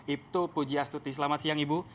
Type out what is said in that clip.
ibtu puji astuti selamat siang ibu